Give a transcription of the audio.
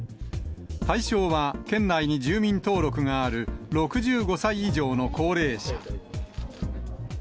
対象は県内に住民登録がある、６５歳以上の高齢者。